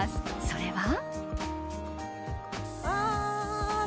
それは。